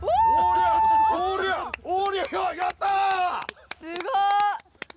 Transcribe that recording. おすごい！